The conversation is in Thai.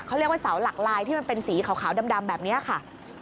เขาเรียกว่าเสาหลักลายที่มันเป็นสีขาวดำแบบนี้ค่ะ